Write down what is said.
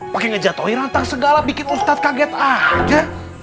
pakai ngejatohin rantai segala bikin ustaz kaget aja